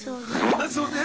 あそうね。